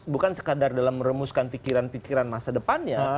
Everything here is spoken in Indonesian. bukan sekadar dalam meremuskan pikiran pikiran masa depannya